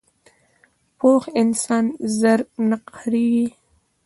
پوخ انسان ژر نه قهرېږي